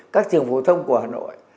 các trường phổ thông của hà nội